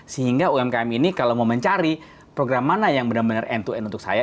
sehingga umkm ini kalau mau mencari program mana yang benar benar end to end untuk saya